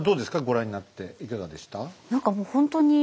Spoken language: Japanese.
ご覧になっていかがでした？